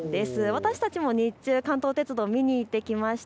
私たちも日中、関東鉄道を見に行ってきました。